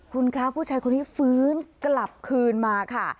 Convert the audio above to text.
คุณคะผู้ชายคนนี้ฟื้นกลับคืนมาค่ะ